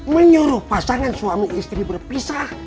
menyuruh pasangan suami istri berpisah